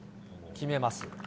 決めます。